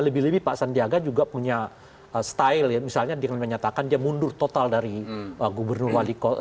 lebih lebih pak sandiaga juga punya style ya misalnya dengan menyatakan dia mundur total dari gubernur wali kota